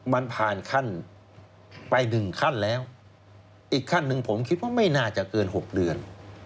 มันผ่านขั้นไป๑ขั้นแล้วอีกขั้นหนึ่งผมคิดว่าไม่น่าจะเกิน๖เดือน